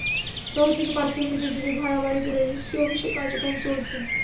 শহর থেকে পাঁচ কিলোমিটার দূরে ভাড়া বাড়িতে রেজিস্ট্রি অফিসের কার্যক্রম চলছে।